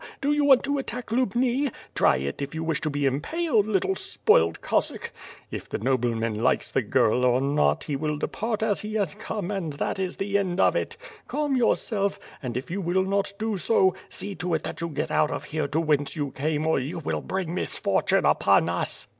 Do you want to attack Lubni? Try it, if you wish to be impaled, little spoilt Cossack! .... If the noble man likes the girl or not, he will depart as he has come, and that is the end of it. Calm yourself and, if you will not do so, see to it that you get out of here to whence you came or you will bring misfortune upon us!"